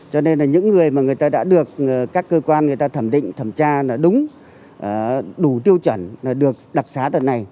cho nên là những người mà người ta đã được các cơ quan người ta thẩm định thẩm tra đúng đủ tiêu chuẩn được đặc xá đợt này